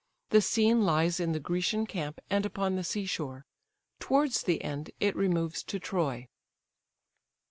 The scene lies in the Grecian camp, and upon the sea shore; towards the end it removes to Troy.